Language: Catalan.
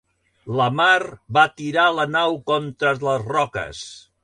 La mar va tirar la nau contra les roques.